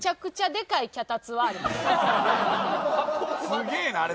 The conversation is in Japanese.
すげえなあれ。